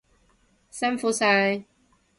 辛苦晒！